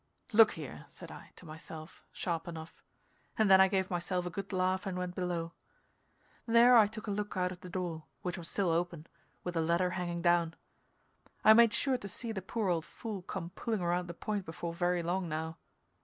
"Look here!" said I to myself, sharp enough; and then I gave myself a good laugh and went below. There I took a look out of the door, which was still open, with the ladder hanging down. I made sure to see the poor old fool come pulling around the point before very long now.